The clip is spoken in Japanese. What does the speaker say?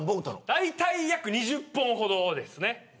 だいたい約２０本ほどですね。